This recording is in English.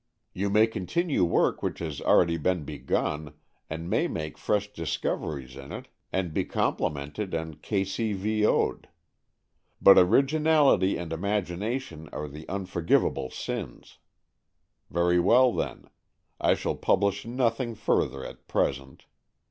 You may continue work which has already been begun, and may make fresh discoveries in it, and be com plimented and K.C.V.O.'d. But originality and imagination are the unforgivable sins. Very well, then. I shall publish nothing further at present.